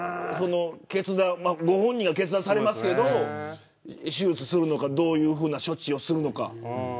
ご本人が決断されますけど手術するのかどういうふうな処置をするのか。